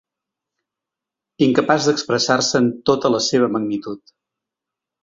Incapaç d’expressar-se en tota la seva magnitud.